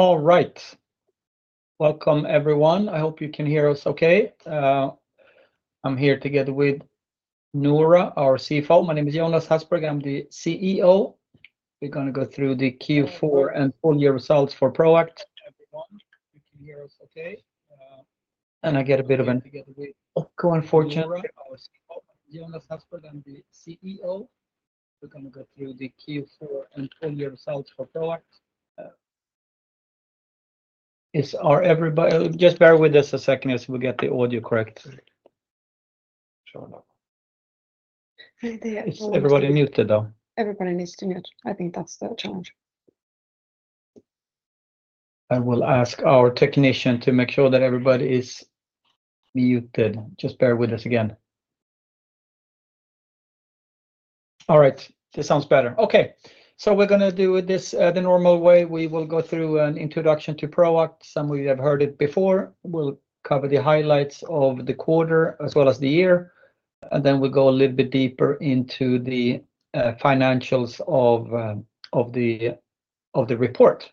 All right. Welcome, everyone. I hope you can hear us okay. I'm here together with Noora, our CFO. My name is Jonas Hasselberg. I'm the CEO. We're going to go through the Q4 and Full Year Results for Proact. Everyone, you can hear us okay? I get a bit of an— Go on, fortunately. Jonas Hasselberg, I'm the CEO. We're going to go through the Q4 and Full Year Results for Proact. Everybody just bear with us a second as we get the audio correct. Hey, there. Is everybody muted, though? Everybody needs to mute. I think that's the challenge. I will ask our technician to make sure that everybody is muted. Just bear with us again. All right. This sounds better. Okay. We are going to do this the normal way. We will go through an introduction to Proact. Some of you have heard it before. We will cover the highlights of the quarter as well as the year. We will go a little bit deeper into the financials of the report.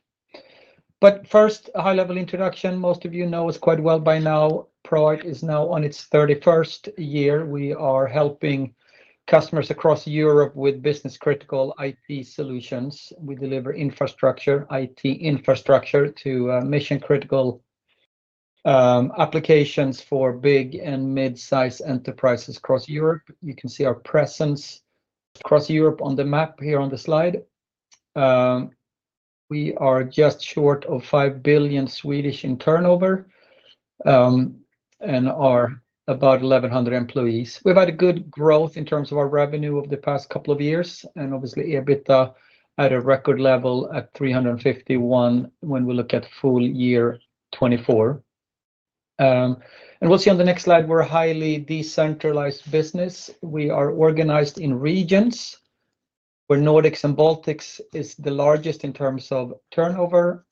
First, a high-level introduction. Most of you know us quite well by now. Proact is now in its 31st year. We are helping customers across Europe with business-critical IT solutions. We deliver IT infrastructure to mission-critical applications for big and mid-sized enterprises across Europe. You can see our presence across Europe on the map here on the slide. We are just short of 5 billion in turnover, and are about 1,100 employees. We've had a good growth in terms of our revenue over the past couple of years. Obviously, EBITDA at a record level at 351 million when we look at full year 2024. We'll see on the next slide, we're a highly decentralized business. We are organized in regions, where Nordics and Baltics is the largest in terms of turnover,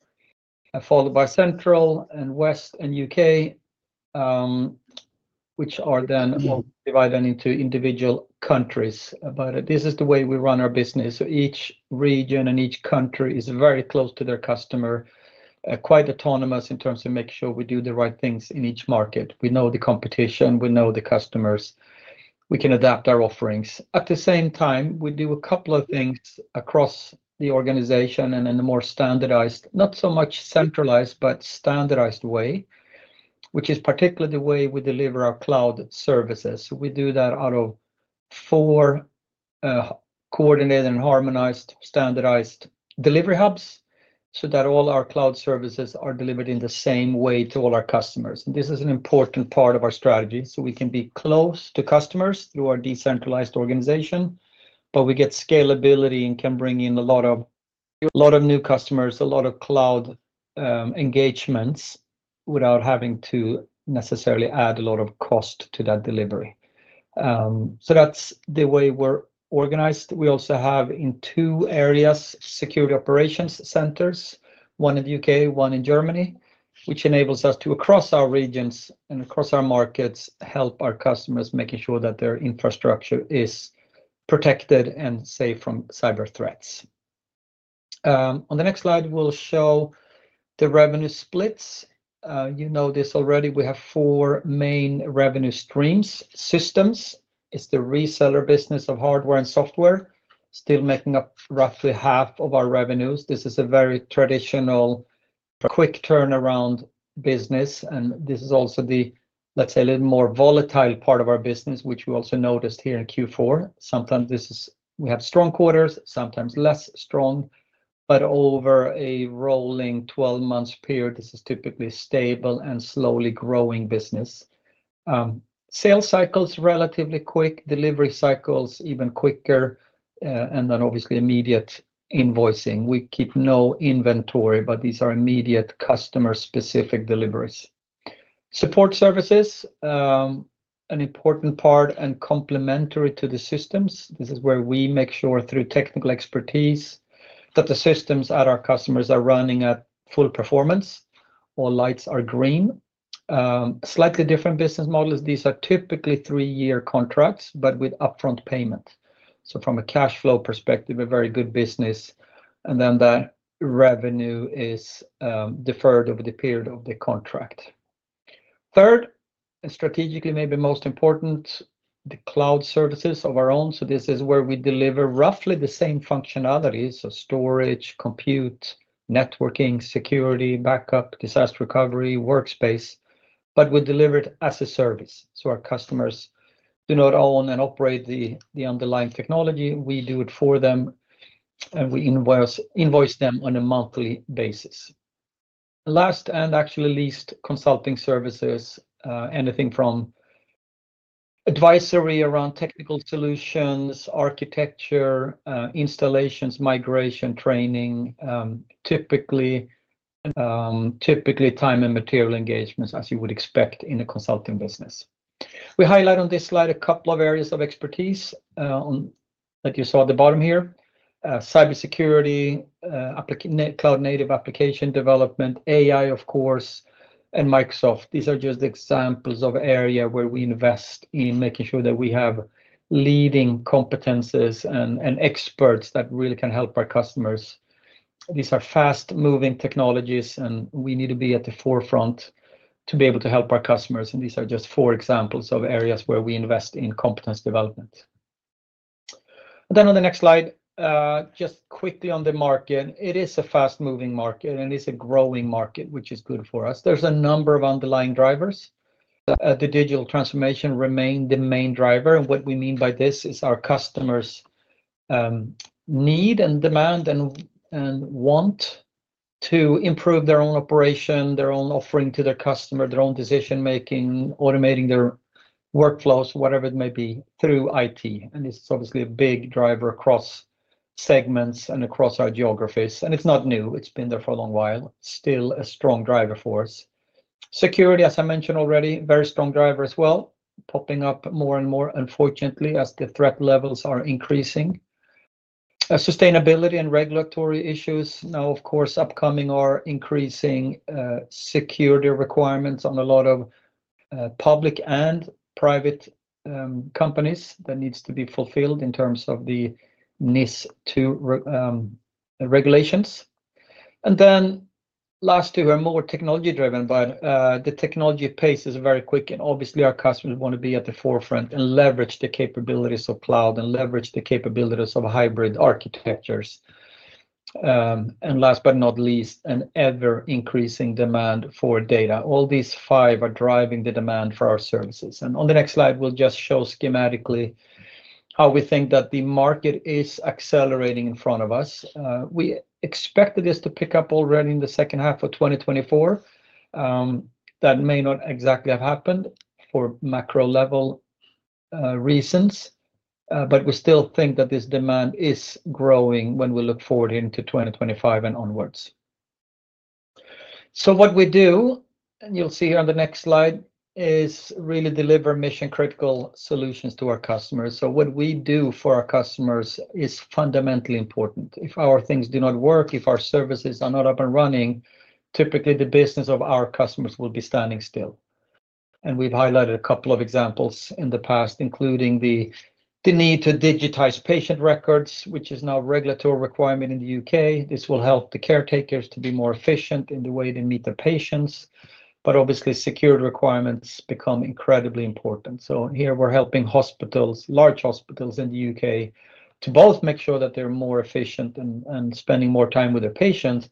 followed by Central and West and U.K., which are then all divided into individual countries. This is the way we run our business. Each region and each country is very close to their customer, quite autonomous in terms of making sure we do the right things in each market. We know the competition. We know the customers. We can adapt our offerings. At the same time, we do a couple of things across the organization and in a more standardized, not so much centralized, but standardized way, which is particularly the way we deliver our cloud services. We do that out of four coordinated and harmonized standardized delivery hubs so that all our cloud services are delivered in the same way to all our customers. This is an important part of our strategy so we can be close to customers through our decentralized organization, but we get scalability and can bring in a lot of new customers, a lot of cloud engagements without having to necessarily add a lot of cost to that delivery. That's the way we're organized. We also have in two areas, security operations centers, one in the U.K., one in Germany, which enables us to, across our regions and across our markets, help our customers, making sure that their infrastructure is protected and safe from cyber threats. On the next slide, we'll show the revenue splits. You know this already. We have four main revenue streams. Systems, it's the reseller business of hardware and software, still making up roughly half of our revenues. This is a very traditional, quick turnaround business. This is also the, let's say, a little more volatile part of our business, which we also noticed here in Q4. Sometimes this is we have strong quarters, sometimes less strong, but over a rolling 12-month period, this is typically stable and slowly growing business. Sales cycles relatively quick, delivery cycles even quicker, and then obviously immediate invoicing. We keep no inventory, but these are immediate customer-specific deliveries. Support services, an important part and complementary to the systems. This is where we make sure through technical expertise that the systems at our customers are running at full performance or lights are green. Slightly different business models. These are typically three-year contracts, but with upfront payment. From a cash flow perspective, a very good business. That revenue is deferred over the period of the contract. Third, and strategically maybe most important, the cloud services of our own. This is where we deliver roughly the same functionalities: storage, compute, networking, security, backup, disaster recovery, workspace, but we deliver it as a service. Our customers do not own and operate the underlying technology. We do it for them, and we invoice them on a monthly basis. Last and actually least, consulting services, anything from advisory around technical solutions, architecture, installations, migration, training, typically, typically time and material engagements, as you would expect in a consulting business. We highlight on this slide a couple of areas of expertise, on that you saw at the bottom here, cybersecurity, cloud-native application development, AI, of course, and Microsoft. These are just examples of an area where we invest in making sure that we have leading competencies and experts that really can help our customers. These are fast-moving technologies, and we need to be at the forefront to be able to help our customers. These are just four examples of areas where we invest in competence development. On the next slide, just quickly on the market, it is a fast-moving market, and it is a growing market, which is good for us. There's a number of underlying drivers. The digital transformation remains the main driver. What we mean by this is our customers need and demand and want to improve their own operation, their own offering to their customer, their own decision-making, automating their workflows, whatever it may be, through IT. This is obviously a big driver across segments and across our geographies. It's not new. It's been there for a long while. Still a strong driver for us. Security, as I mentioned already, is a very strong driver as well, popping up more and more, unfortunately, as the threat levels are increasing. Sustainability and regulatory issues, now, of course, upcoming, are increasing security requirements on a lot of public and private companies that need to be fulfilled in terms of the NIS2 regulations. The last two are more technology-driven, but the technology pace is very quick. Obviously, our customers want to be at the forefront and leverage the capabilities of cloud and leverage the capabilities of hybrid architectures. Last but not least, an ever-increasing demand for data. All these five are driving the demand for our services. On the next slide, we will just show schematically how we think that the market is accelerating in front of us. We expected this to pick up already in the second half of 2024. That may not exactly have happened for macro-level reasons. We still think that this demand is growing when we look forward into 2025 and onwards. What we do, and you will see here on the next slide, is really deliver mission-critical solutions to our customers. What we do for our customers is fundamentally important. If our things do not work, if our services are not up and running, typically the business of our customers will be standing still. We have highlighted a couple of examples in the past, including the need to digitize patient records, which is now a regulatory requirement in the U.K. This will help the caretakers to be more efficient in the way they meet their patients. Obviously, security requirements become incredibly important. Here we are helping hospitals, large hospitals in the U.K., to both make sure that they are more efficient and spending more time with their patients,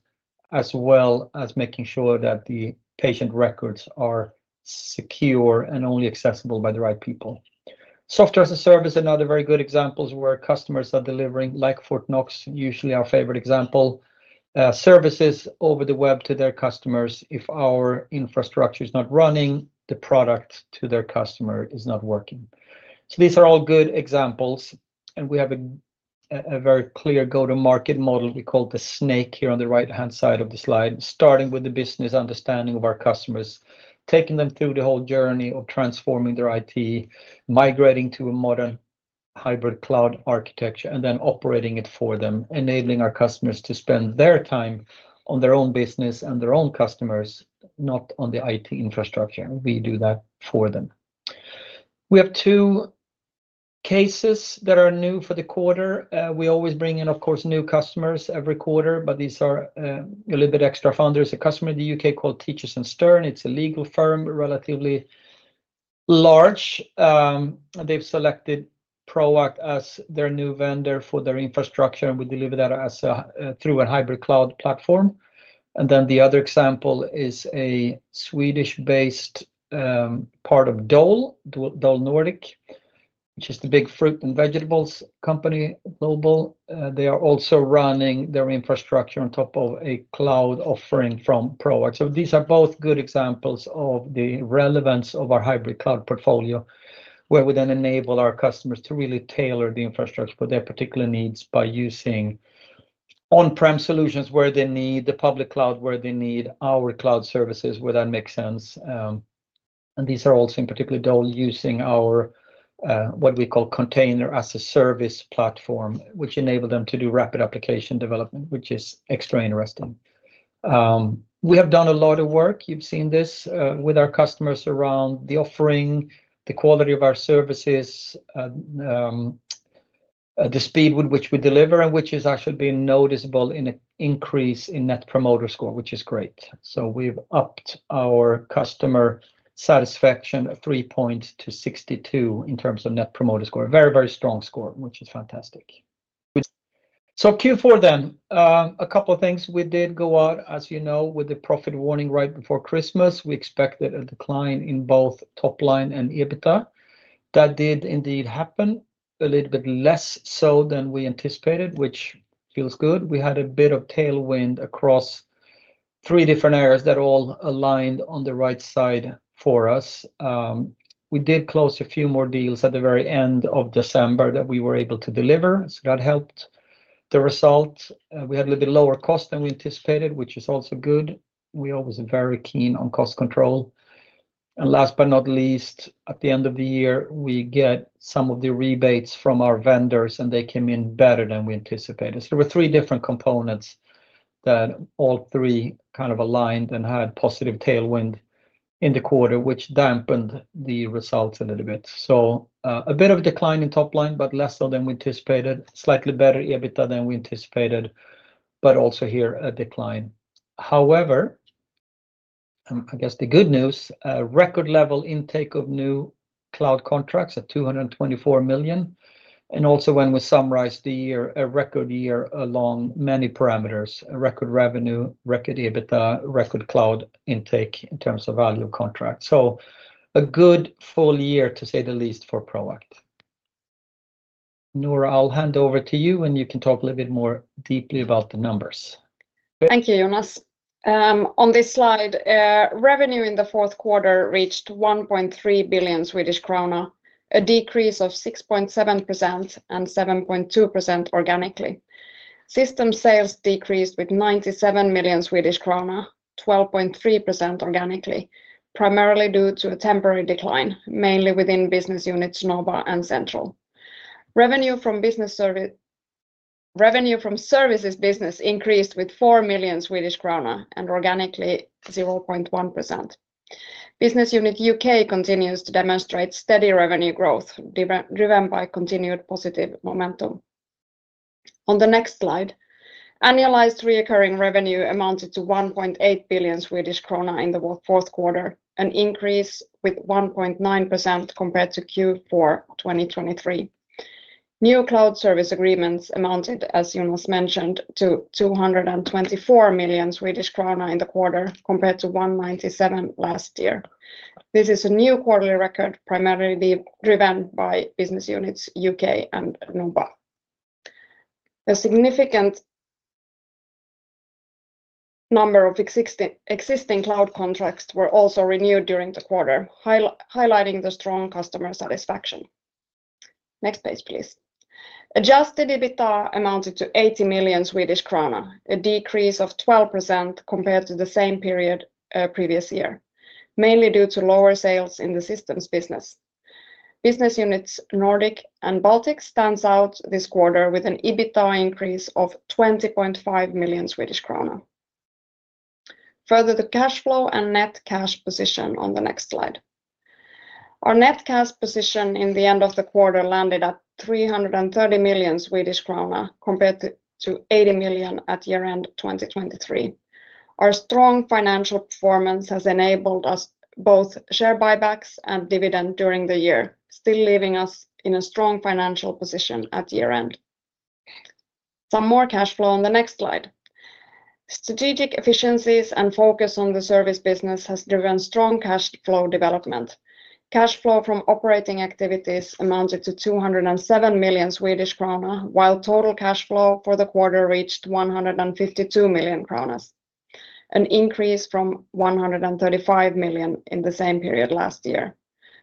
as well as making sure that the patient records are secure and only accessible by the right people. Software as a service are now very good examples where customers are delivering, like Fortnox, usually our favorite example, services over the web to their customers. If our infrastructure is not running, the product to their customer is not working. These are all good examples. We have a very clear go-to-market model. We call it the Snake here on the right-hand side of the slide, starting with the business understanding of our customers, taking them through the whole journey of transforming their IT, migrating to a modern hybrid cloud architecture, and then operating it for them, enabling our customers to spend their time on their own business and their own customers, not on the IT infrastructure. We do that for them. We have two cases that are new for the quarter. We always bring in, of course, new customers every quarter, but these are a little bit extra fun. There's a customer in the U.K. called Teachers and Stern. It's a legal firm, relatively large. They've selected Proact as their new vendor for their infrastructure, and we deliver that as a, through a hybrid cloud platform. The other example is a Swedish-based, part of Dole, Dole Nordic, which is the big fruit and vegetables company global. They are also running their infrastructure on top of a cloud offering from Proact. These are both good examples of the relevance of our hybrid cloud portfolio, where we then enable our customers to really tailor the infrastructure for their particular needs by using on-prem solutions where they need, the public cloud where they need, our cloud services where that makes sense. These are also, in particular Dole, using our, what we call Container as a Service platform, which enables them to do rapid application development, which is extra interesting. We have done a lot of work. You've seen this, with our customers around the offering, the quality of our services, the speed with which we deliver, and which is actually being noticeable in an increase in Net Promoter Score, which is great. We've upped our customer satisfaction of 3 points to 62 in terms of Net Promoter Score. Very, very strong score, which is fantastic. Q4 then, a couple of things. We did go out, as you know, with the profit warning right before Christmas. We expected a decline in both top line and EBITDA. That did indeed happen, a little bit less so than we anticipated, which feels good. We had a bit of tailwind across three different areas that all aligned on the right side for us. We did close a few more deals at the very end of December that we were able to deliver. That helped the result. We had a little bit lower cost than we anticipated, which is also good. We are always very keen on cost control. Last but not least, at the end of the year, we get some of the rebates from our vendors, and they came in better than we anticipated. There were three different components that all three kind of aligned and had positive tailwind in the quarter, which dampened the results a little bit. A bit of a decline in top line, but less so than we anticipated. Slightly better EBITDA than we anticipated, but also here a decline. However, I guess the good news, record-level intake of new cloud contracts at 224 million. Also, when we summarize the year, a record year along many parameters: record revenue, record EBITDA, record cloud intake in terms of value of contract. A good full year, to say the least, for Proact. Noora, I'll hand over to you, and you can talk a little bit more deeply about the numbers. Thank you, Jonas. On this slide, revenue in the fourth quarter reached 1.3 billion Swedish krona, a decrease of 6.7% and 7.2% organically. System sales decreased with 97 million Swedish krona, 12.3% organically, primarily due to a temporary decline, mainly within business units Nordics and Central. Revenue from services business increased with 4 million Swedish krona and organically 0.1%. Business unit U.K. continues to demonstrate steady revenue growth driven by continued positive momentum. On the next slide, annualized recurring revenue amounted to 1.8 billion Swedish krona in the fourth quarter, an increase with 1.9% compared to Q4 2023. New cloud service agreements amounted, as Jonas mentioned, to 224 million Swedish krona in the quarter compared to 197 million last year. This is a new quarterly record, primarily driven by business units U.K. and Norba. A significant number of existing cloud contracts were also renewed during the quarter, highlighting the strong customer satisfaction. Next page, please. Adjusted EBITDA amounted to 80 million Swedish krona, a decrease of 12% compared to the same period previous year, mainly due to lower sales in the systems business. Business units Nordic and Baltic stands out this quarter with an EBITDA increase of 20.5 million Swedish krona. Further, the cash flow and net cash position on the next slide. Our net cash position in the end of the quarter landed at 330 million Swedish krona compared to 80 million at year-end 2023. Our strong financial performance has enabled us both share buybacks and dividend during the year, still leaving us in a strong financial position at year-end. Some more cash flow on the next slide. Strategic efficiencies and focus on the service business has driven strong cash flow development. Cash flow from operating activities amounted to 207 million Swedish krona, while total cash flow for the quarter reached 152 million kronor, an increase from 135 million in the same period last year.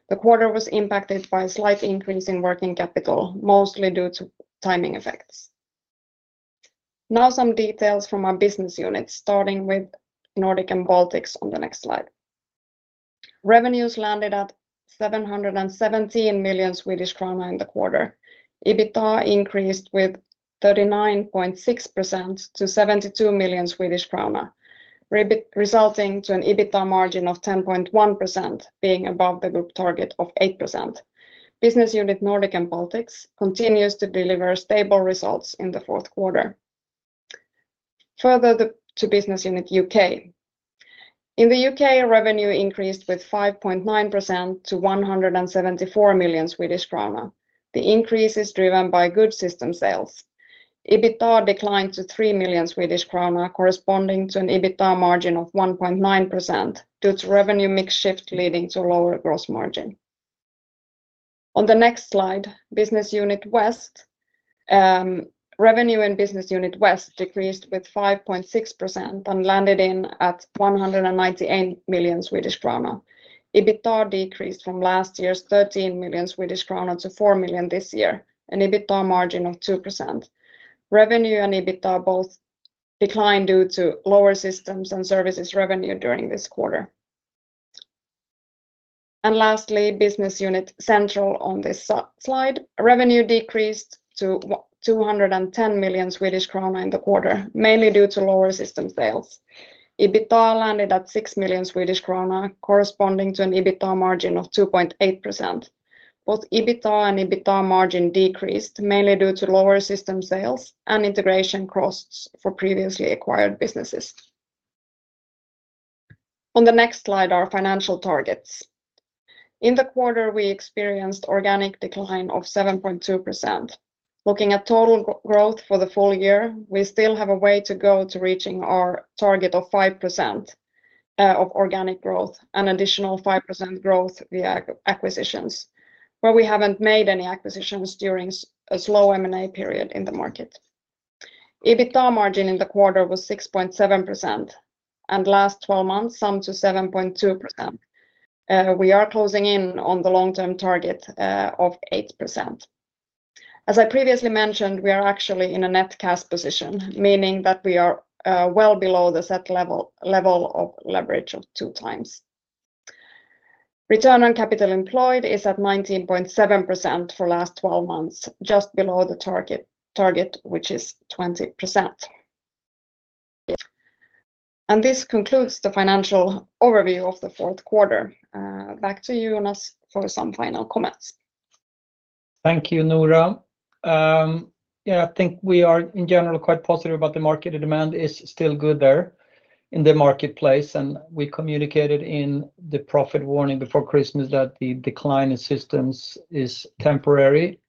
The quarter was impacted by a slight increase in working capital, mostly due to timing effects. Now some details from our business units, starting with Nordic and Baltics on the next slide. Revenues landed at 717 million Swedish krona in the quarter. EBITDA increased with 39.6% to 72 million Swedish krona, resulting in an EBITDA margin of 10.1%, being above the group target of 8%. Business unit Nordic and Baltics continues to deliver stable results in the fourth quarter. Further, to business unit U.K. In the U.K., revenue increased with 5.9% to 174 million Swedish krona. The increase is driven by good system sales. EBITDA declined to 3 million Swedish krona, corresponding to an EBITDA margin of 1.9% due to revenue mix shift leading to a lower gross margin. On the next slide, business unit West, revenue in business unit West decreased with 5.6% and landed in at 198 million Swedish krona. EBITDA decreased from last year's 13 million Swedish krona to 4 million this year, an EBITDA margin of 2%. Revenue and EBITDA both declined due to lower systems and services revenue during this quarter. Lastly, business unit Central on this slide. Revenue decreased to 210 million Swedish krona in the quarter, mainly due to lower system sales. EBITDA landed at 6 million Swedish krona, corresponding to an EBITDA margin of 2.8%. Both EBITDA and EBITDA margin decreased mainly due to lower system sales and integration costs for previously acquired businesses. On the next slide, our financial targets. In the quarter, we experienced an organic decline of 7.2%. Looking at total growth for the full year, we still have a way to go to reaching our target of 5% of organic growth and additional 5% growth via acquisitions, where we haven't made any acquisitions during a slow M&A period in the market. EBITDA margin in the quarter was 6.7%, and last 12 months summed to 7.2%. We are closing in on the long-term target of 8%. As I previously mentioned, we are actually in a net cash position, meaning that we are well below the set level of leverage of two points. Return on capital employed is at 19.7% for the last 12 months, just below the target, which is 20%. This concludes the financial overview of the fourth quarter. Back to you, Jonas, for some final comments. Thank you, Noora. Yeah, I think we are in general quite positive about the market. The demand is still good there in the marketplace, and we communicated in the profit warning before Christmas that the decline in systems is temporary.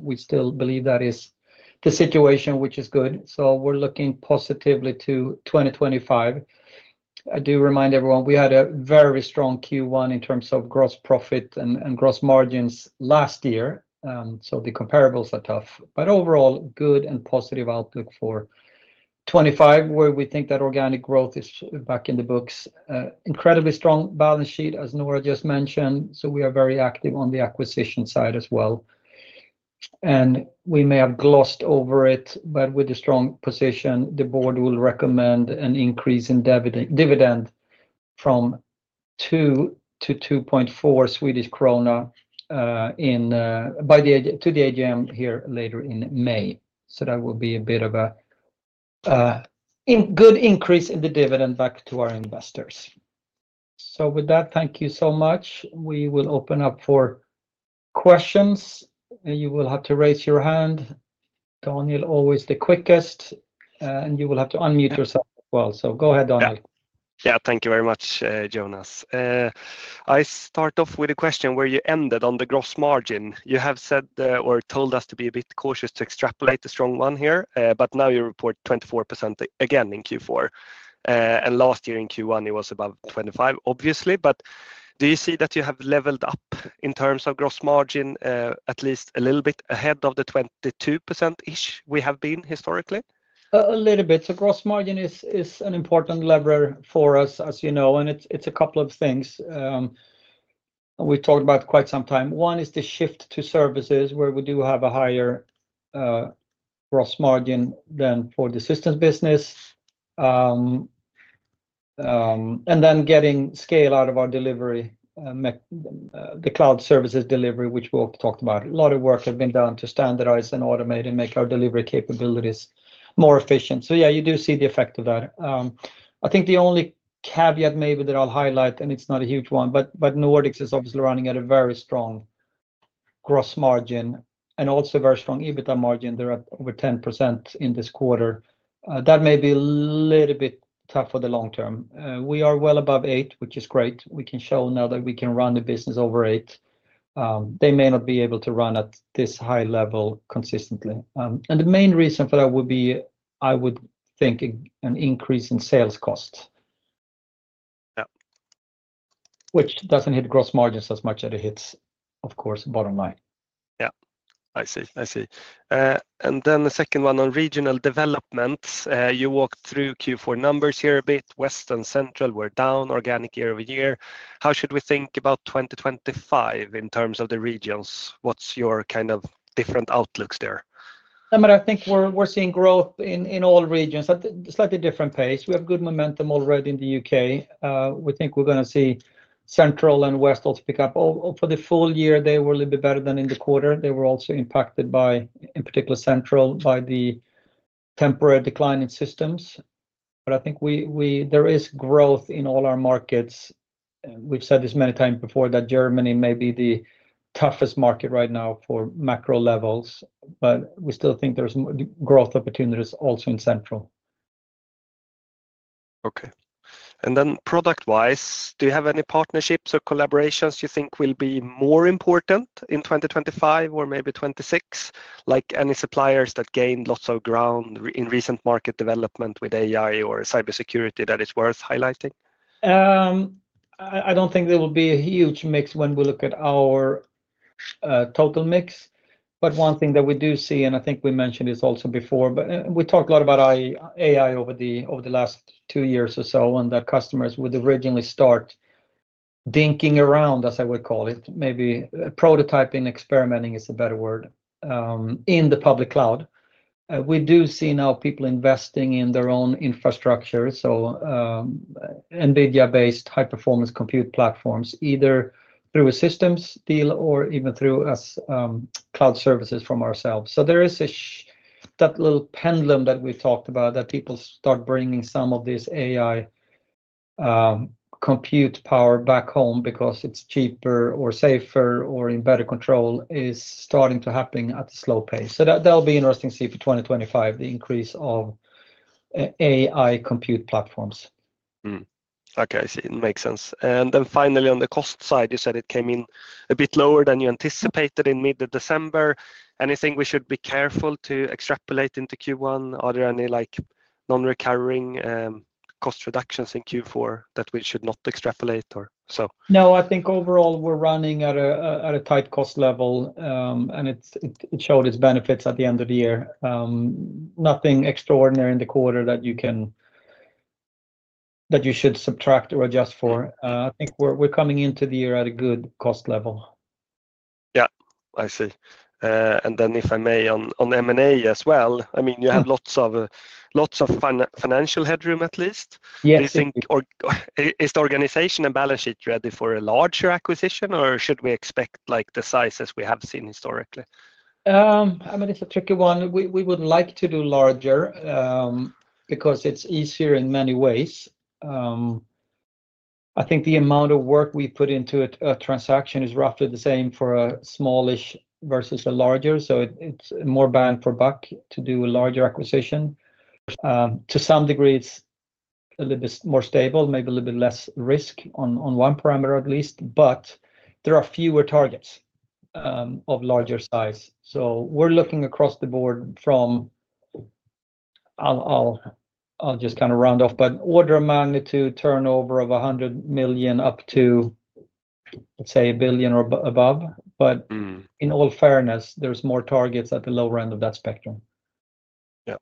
We still believe that is the situation, which is good. We are looking positively to 2025. I do remind everyone we had a very strong Q1 in terms of gross profit and gross margins last year. The comparables are tough, but overall good and positive outlook for 2025, where we think that organic growth is back in the books. Incredibly strong balance sheet, as Noora just mentioned. We are very active on the acquisition side as well. We may have glossed over it, but with the strong position, the board will recommend an increase in dividend from 2 to 2.4 Swedish krona, to the AGM here later in May. That will be a bit of a good increase in the dividend back to our investors. With that, thank you so much. We will open up for questions. You will have to raise your hand. Daniel, always the quickest, and you will have to unmute yourself as well. Go ahead, Daniel. Yeah, thank you very much, Jonas. I start off with a question where you ended on the gross margin. You have said or told us to be a bit cautious to extrapolate the strong one here, but now you report 24% again in Q4. Last year in Q1, it was about 25, obviously. Do you see that you have leveled up in terms of gross margin, at least a little bit ahead of the 22%-ish we have been historically? A little bit. Gross margin is an important lever for us, as you know, and it is a couple of things we talked about quite some time. One is the shift to services, where we do have a higher gross margin than for the systems business, and then getting scale out of our delivery, the cloud services delivery, which we have talked about. A lot of work has been done to standardize and automate and make our delivery capabilities more efficient. You do see the effect of that. I think the only caveat maybe that I'll highlight, and it's not a huge one, but Nordics is obviously running at a very strong gross margin and also a very strong EBITDA margin. They're at over 10% in this quarter. That may be a little bit tough for the long term. We are well above eight, which is great. We can show now that we can run the business over eight. They may not be able to run at this high level consistently. The main reason for that would be, I would think, an increase in sales cost. Yeah. Which doesn't hit the gross margins as much as it hits. Of course, bottom line. Yeah. I see. I see. The second one on regional developments. You walked through Q4 numbers here a bit. West and Central were down organic year-over-year. How should we think about 2025 in terms of the regions? What's your kind of different outlooks there? I mean, I think we're seeing growth in all regions at a slightly different pace. We have good momentum already in the U.K. We think we're going to see Central and West also pick up. For the full year, they were a little bit better than in the quarter. They were also impacted by, in particular, Central by the temporary decline in systems. I think there is growth in all our markets. We've said this many times before that Germany may be the toughest market right now for macro levels, but we still think there's growth opportunities also in Central. Okay. Product-wise, do you have any partnerships or collaborations you think will be more important in 2025 or maybe 2026, like any suppliers that gained lots of ground in recent market development with AI or cybersecurity that is worth highlighting? I do not think there will be a huge mix when we look at our total mix. One thing that we do see, and I think we mentioned this also before, we talked a lot about AI over the last two years or so, and that customers would originally start dinking around, as I would call it, maybe prototyping, experimenting is a better word, in the public cloud. We do see now people investing in their own infrastructure. NVIDIA-based high-performance compute platforms, either through a systems deal or even through us, cloud services from ourselves. There is that little pendulum that we talked about, that people start bringing some of this AI compute power back home because it's cheaper or safer or in better control, is starting to happen at a slow pace. That'll be interesting to see for 2025, the increase of AI compute platforms. Okay, I see. It makes sense. Finally, on the cost side, you said it came in a bit lower than you anticipated in mid-December. Anything we should be careful to extrapolate into Q1? Are there any, like, non-recurring cost reductions in Q4 that we should not extrapolate or so? No, I think overall we're running at a tight cost level, and it showed its benefits at the end of the year. Nothing extraordinary in the quarter that you should subtract or adjust for. I think we're coming into the year at a good cost level. Yeah, I see. And then if I may, on M&A as well, I mean, you have lots of financial headroom at least. Yes. Do you think or is the organization and balance sheet ready for a larger acquisition, or should we expect like the sizes we have seen historically? I mean, it's a tricky one. We wouldn't like to do larger, because it's easier in many ways. I think the amount of work we put into a transaction is roughly the same for a smallish versus a larger. So, it's more bang for buck to do a larger acquisition. To some degrees, a little bit more stable, maybe a little bit less risk on one parameter at least, but there are fewer targets, of larger size. We're looking across the board from, I'll just kind of round off, but order of magnitude turnover of 100 million up to, let's say, a billion or above. In all fairness, there's more targets at the lower end of that spectrum. Yeah.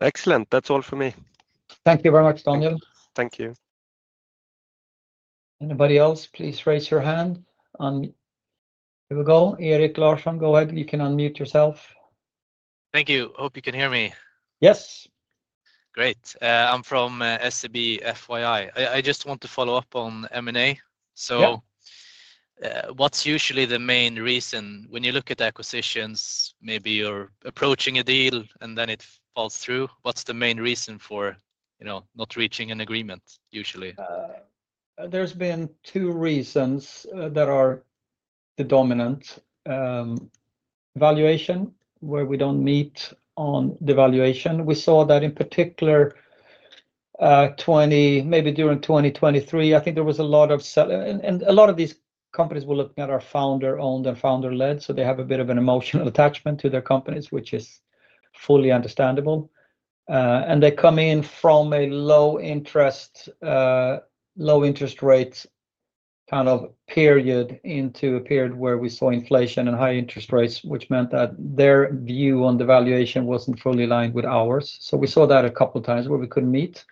Excellent. That's all for me. Thank you very much, Daniel. Thank you. Anybody else? Please raise your hand. Here we go. Erik Larsson, go ahead. You can unmute yourself. Thank you. Hope you can hear me. Yes. Great. I'm from SEB FYI. I just want to follow up on M&A. What's usually the main reason when you look at acquisitions, maybe you're approaching a deal and then it falls through? What's the main reason for, you know, not reaching an agreement usually? There's been two reasons that are the dominant. Valuation, where we don't meet on the valuation. We saw that in particular, maybe during 2023, I think there was a lot of sell and a lot of these companies were looking at are founder-owned and founder-led, so they have a bit of an emotional attachment to their companies, which is fully understandable. They come in from a low interest, low-interest rate kind of period into a period where we saw inflation and high interest rates, which meant that their view on the valuation was not fully aligned with ours. We saw that a couple of times where we could not meet.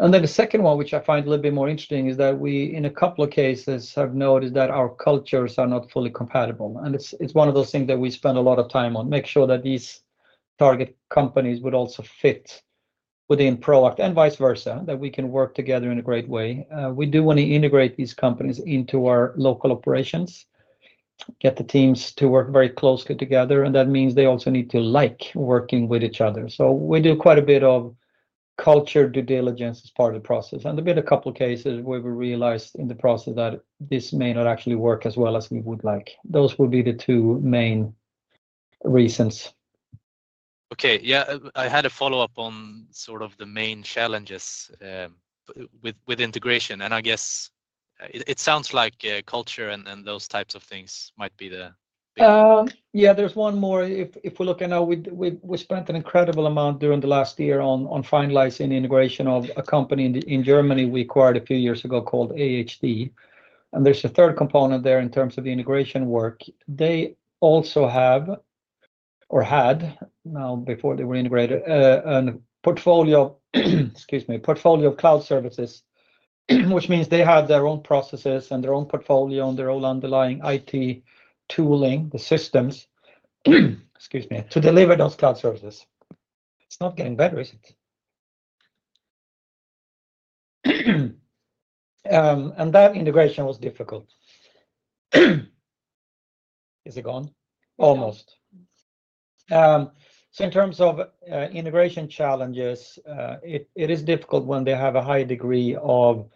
The second one, which I find a little bit more interesting, is that we, in a couple of cases, have noticed that our cultures are not fully compatible. It's one of those things that we spend a lot of time on, make sure that these target companies would also fit within Proact and vice versa, that we can work together in a great way. We do want to integrate these companies into our local operations, get the teams to work very closely together, and that means they also need to like working with each other. We do quite a bit of culture due diligence as part of the process. There have been a couple of cases where we realized in the process that this may not actually work as well as we would like. Those would be the two main reasons. Okay. Yeah. I had a follow-up on sort of the main challenges, with integration. I guess it sounds like culture and those types of things might be the biggest. Yeah, there's one more. If we look at now, we spent an incredible amount during the last year on finalizing the integration of a company in Germany we acquired a few years ago called AHD. There's a third component there in terms of the integration work. They also have, or had now before they were integrated, an excuse me, portfolio of cloud services, which means they have their own processes and their own portfolio and their own underlying IT tooling, the systems, excuse me, to deliver those cloud services. It's not getting better, is it? That integration was difficult. Is it gone? Almost. In terms of integration challenges, it is difficult when they have a high degree of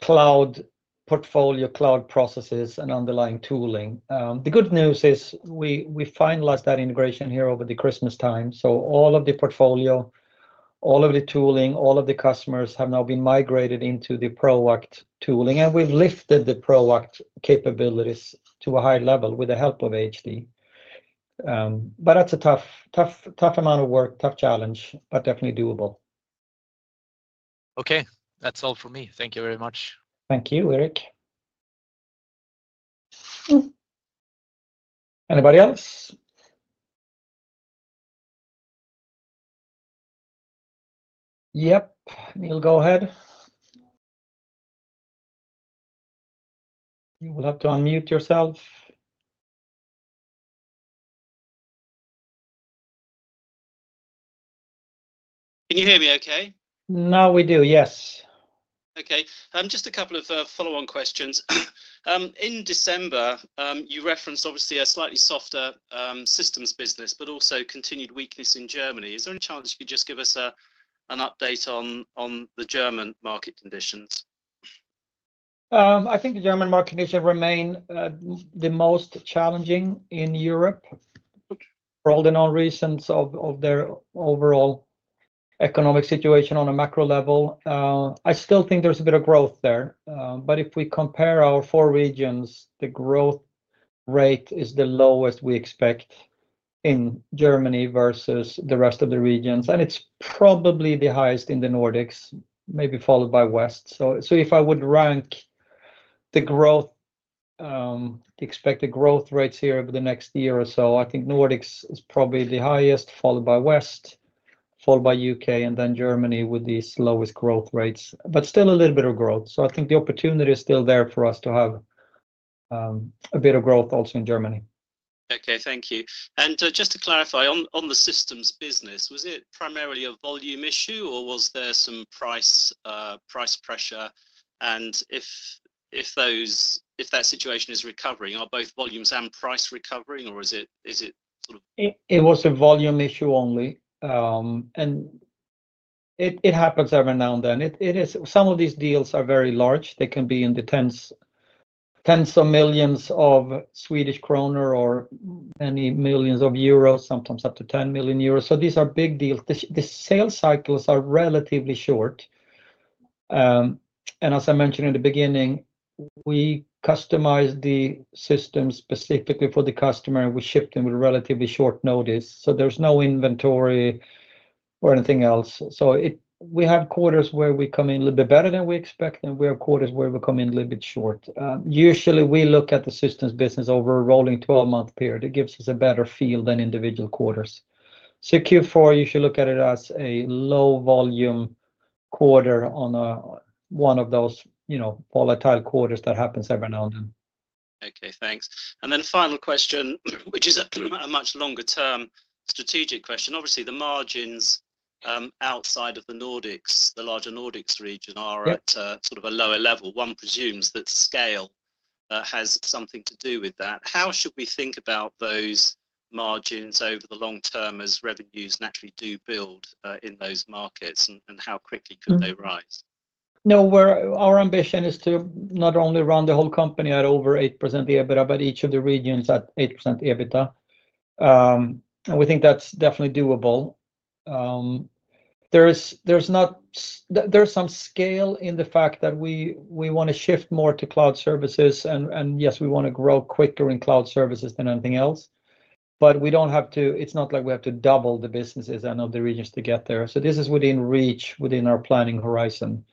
cloud portfolio, cloud processes, and underlying tooling. The good news is we finalized that integration here over the Christmas time. All of the portfolio, all of the tooling, all of the customers have now been migrated into the Proact tooling, and we've lifted the Proact capabilities to a higher level with the help of AHD. That is a tough, tough, tough amount of work, tough challenge, but definitely doable. Okay. That is all for me. Thank you very much. Thank you, Erik. Anybody else? Yep. Neil, go ahead. You will have to unmute yourself. Can you hear me, okay? Now we do. Yes. Okay. Just a couple of follow-on questions. In December, you referenced obviously a slightly softer systems business, but also continued weakness in Germany. Is there any chance you could just give us an update on the German market conditions? I think the German market conditions remain the most challenging in Europe for all the known reasons of their overall economic situation on a macro level. I still think there's a bit of growth there. If we compare our four regions, the growth rate is the lowest we expect in Germany versus the rest of the regions, and it's probably the highest in the Nordics, maybe followed by West. If I would rank the expected growth rates here over the next year or so, I think Nordics is probably the highest, followed by West, followed by U.K., and then Germany with the slowest growth rates, but still a little bit of growth. I think the opportunity is still there for us to have a bit of growth also in Germany. Thank you. Just to clarify on the systems business, was it primarily a volume issue or was there some price pressure? If that situation is recovering, are both volumes and price recovering, or is it sort of? It was a volume issue only. It happens every now and then. Some of these deals are very large. They can be in the tens of millions of SEK or many millions of euros, sometimes up to 10 million euros. These are big deals. The sales cycles are relatively short, and as I mentioned in the beginning, we customize the system specifically for the customer, and we ship them with relatively short notice. There is no inventory or anything else. It, we have quarters where we come in a little bit better than we expect, and we have quarters where we come in a little bit short. Usually we look at the systems business over a rolling 12-month period. It gives us a better feel than individual quarters. Q4, you should look at it as a low-volume quarter, one of those, you know, volatile quarters that happens every now and then. Okay. Thanks. Final question, which is a much longer-term strategic question. Obviously, the margins outside of the larger Nordics region are at sort of a lower level. One presumes that scale has something to do with that. How should we think about those margins over the long term as revenues naturally do build in those markets, and how quickly could they rise? No, our ambition is to not only run the whole company at over 8% EBITDA, but each of the regions at 8% EBITDA. We think that's definitely doable. There's some scale in the fact that we want to shift more to cloud services. Yes, we want to grow quicker in cloud services than anything else, but we don't have to. It's not like we have to double the businesses and the regions to get there. This is within reach within our planning horizon.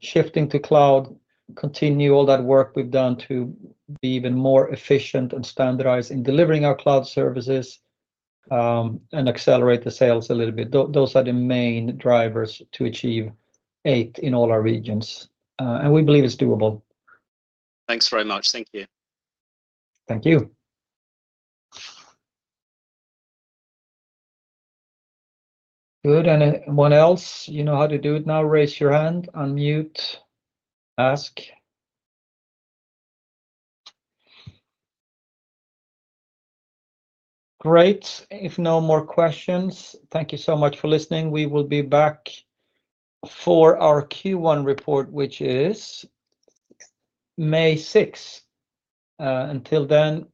Shifting to cloud, continue all that work we've done to be even more efficient and standardized in delivering our cloud services, and accelerate the sales a little bit. Those are the main drivers to achieve 8% in all our regions. We believe it's doable. Thanks very much. Thank you. Thank you. Good. Anyone else? You know how to do it now. Raise your hand. Unmute. Ask. Great. If no more questions, thank you so much for listening. We will be back for our Q1 report, which is May 6. Until then,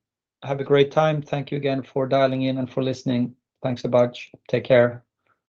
have a great time. Thank you again for dialing in and for listening. Thanks a bunch. Take care.